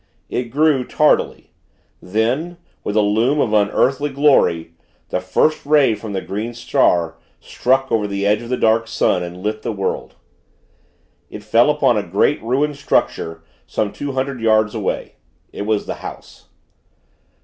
It grew, tardily. Then with a loom of unearthly glory the first ray from the Green Star, struck over the edge of the dark sun, and lit the world. It fell upon a great, ruined structure, some two hundred yards away. It was the house.